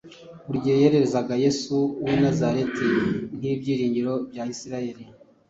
buri gihe yererezaga yesu w’i nazareti nk’ibyiringiro bya isiraheli,